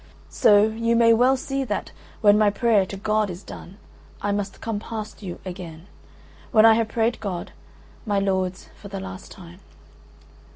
So, you may well see that, when my prayer to God is done, I must come past you again: when I have prayed God, my lords, for the last time.